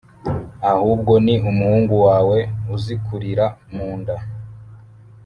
ahubwo ni umuhungu wawe uzikurira mu nda